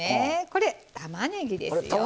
これたまねぎですよ。